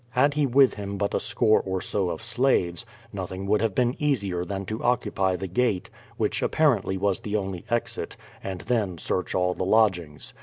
Had he with him but a score or so of slaves, nothing would have been easier than to occupy the gate, which apparently was the only exit, and then search all the lodgings.